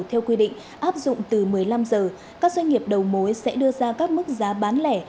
theo quy định áp dụng từ một mươi năm h các doanh nghiệp đầu mối sẽ đưa ra các mức giá bán lẻ